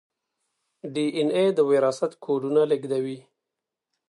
ډي این اې د وراثت کوډونه لیږدوي